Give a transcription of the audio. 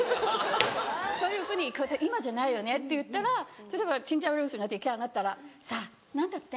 そういうふうに答え「今じゃないよね」って言ったら例えばチンジャオロースーが出来上がったら「さぁ何だって？」。